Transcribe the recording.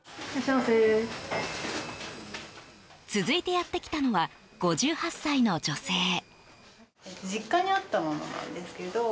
続いてやってきたのは５８歳の女性。